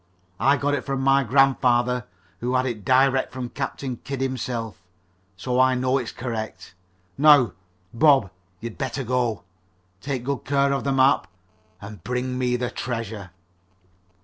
I got it from my grandfather, who had it direct from Captain Kidd himself, so I know it's correct. Now, Bob, you'd better go. Take good care of the map and bring me the treasure."